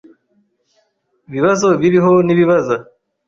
’ibibazo biriho n’ibizaza.